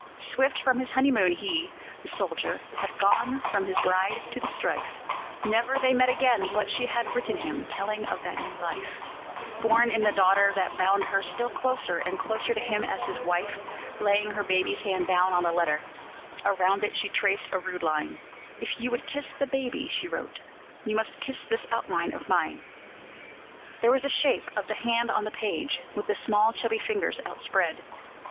Swift from his honeymoon he, the dead soldier, had gone from his bride to the strife; Never they met again, but she had written him, telling of that new life, Born in the daughter, that bound her still closer and closer to him as his wife. Laying her baby's hand down on the letter, around it she traced a rude line: "If you would kiss the baby," she wrote, "you must kiss this outline of mine." There was the shape of the hand on the page, with the small, chubby fingers outspread.